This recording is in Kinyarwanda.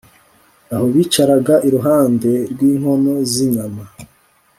aho bicaraga iruhande rwinkono zinyama